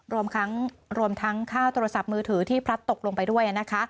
รวมทั้งค่าโทรศัพท์มือถือที่พลัดตกลงไปด้วยนะคะ